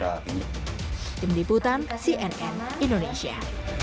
tim liputan cnn indonesia